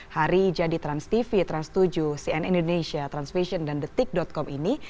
hari jadi transtv trans tujuh cn indonesia transvision dan detik com ini